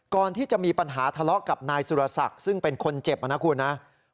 ก่อนที่จะมีปัญหาทะเลาะกับนายสุรศักดิ์ซึ่งเป็นคนเจ็บนะครับ